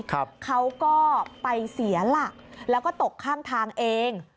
เขาก็ไปเสียหลักแล้วก็ตกข้างทางเอง